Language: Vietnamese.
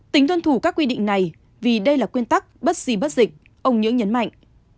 tính tuân thủ các quy định này vì đây là quyên tắc bất gì bất dịch ông nhưỡng nhấn mạnh